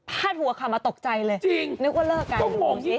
พลาดหัวขามาตกใจเลยนึกว่าเลิกกันเหมือนกันสิจริงจริง